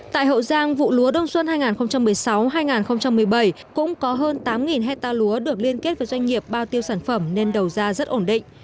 tại hậu giang vụ lúa đông xuân hai nghìn một mươi sáu hai nghìn một mươi bảy cũng có hơn tám hectare lúa được liên kết với doanh nghiệp bao tiêu sản phẩm nên đầu ra rất ổn định